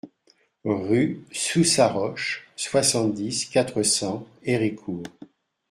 Rue Sous Saroche, soixante-dix, quatre cents Héricourt